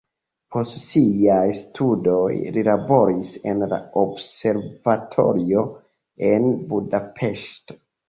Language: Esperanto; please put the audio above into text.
Post siaj studoj li laboris en la observatorio en Budapeŝto.